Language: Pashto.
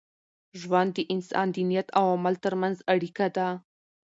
ژوند د انسان د نیت او عمل تر منځ اړیکه ده.